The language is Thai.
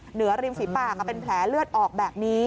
เหนือริมฝีปากเป็นแผลเลือดออกแบบนี้